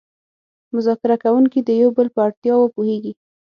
مذاکره کوونکي د یو بل په اړتیاوو پوهیږي